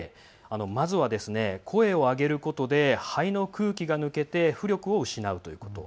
まずは、声を上げることで肺の空気が抜けて浮力を失うということ。